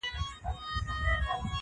زه له فطرته عاشقي کوومه ښه کوومه-